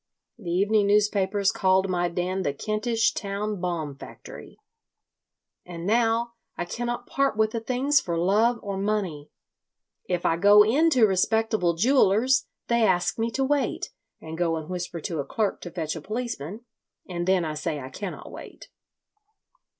The evening newspapers called my den the Kentish Town Bomb Factory. And now I cannot part with the things for love or money. "If I go in to respectable jewellers they ask me to wait, and go and whisper to a clerk to fetch a policeman, and then I say I cannot wait.